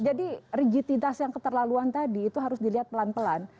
jadi rigiditas yang keterlaluan tadi itu harus dilihat pelan pelan